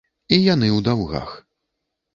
І яны ў даўгах.